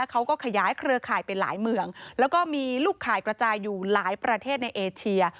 เขาก็ขยายเครือข่ายไปหลายเมืองแล้วก็มีลูกข่ายกระจายอยู่หลายประเทศในเอเชีย